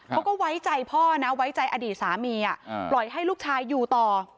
ไว้ใจพ่อนะไว้ใจอดีตสามีปล่อยให้ลูกชายอยู่ต่อ